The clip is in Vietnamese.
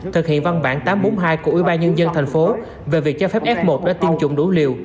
thực hiện văn bản tám trăm bốn mươi hai của ybnd tp hcm về việc cho phép f một đã tiêm chủng đủ liều